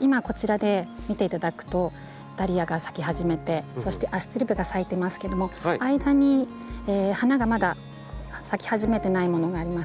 今こちらで見ていただくとダリアが咲き始めてそしてアスチルベが咲いてますけども間に花がまだ咲き始めてないものがありますね。